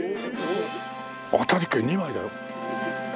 当たり券２枚だよ。